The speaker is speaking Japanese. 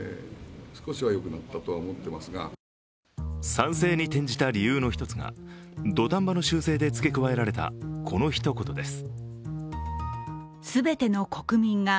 賛成に転じた理由の一つが土壇場の修正で付け加えられたこのひと言です。